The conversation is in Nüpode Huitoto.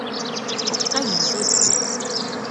okaina dete